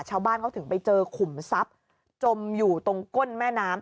ชาวบ้านเขาถึงไปเจอขุมทรัพย์จมอยู่ตรงก้นแม่น้ำ